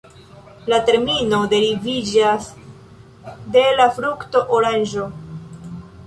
La termino deriviĝas de la frukto oranĝo.